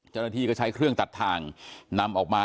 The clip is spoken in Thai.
เจ้าหน้าที่ก็ใช้เครื่องตัดทางนำออกมา